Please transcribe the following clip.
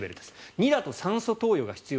２だと酸素投与が必要。